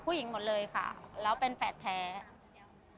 ผู้หญิงหมดเลยค่ะแล้วเป็นแฝดแท้